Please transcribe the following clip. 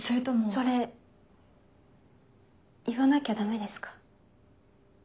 それ言わなきゃダメですか？